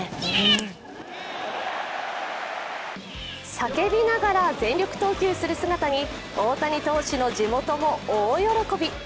叫びながら全力投球する姿に、大谷投手の地元も大喜び。